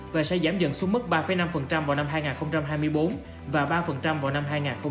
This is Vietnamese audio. và sẽ giảm dần xuống mức ba năm vào năm hai nghìn hai mươi bốn và ba vào năm hai nghìn hai mươi năm